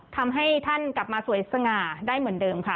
ทำให้ท่านกลับมาสวยสง่าได้เหมือนเดิมค่ะ